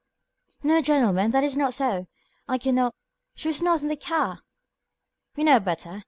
"No, gentlemen, that is not so. I could not she was not in the car." "We know better.